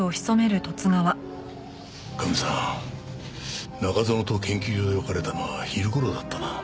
カメさん中園と研究所で別れたのは昼頃だったな？